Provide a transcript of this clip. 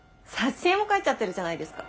挿絵も描いちゃってるじゃないですか。